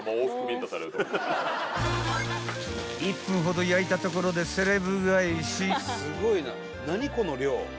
［１分ほど焼いたところでセレブ返し］